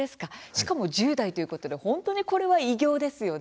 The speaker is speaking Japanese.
しかも１０代ということで本当にこれは偉業ですね。